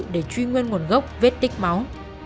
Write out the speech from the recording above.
để truy nguyên nguồn gốc vết tích máu